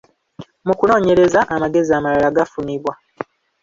Mu kunoonyereza, amagezi amalala gafunibwa.